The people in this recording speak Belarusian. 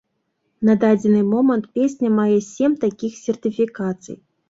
На дадзены момант песня мае сем такіх сертыфікацый.